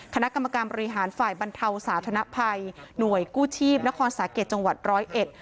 คณะกรรมการบริหารฝ่ายบรรเทาสาธนภัยหน่วยกู้ชีพนครสาเกตจังหวัดร้อยเอ็ด